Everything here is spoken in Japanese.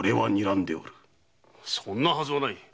そんなはずはない。